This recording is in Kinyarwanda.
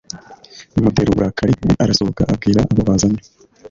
bimutera uburakari Arasohoka abwira abo bazanye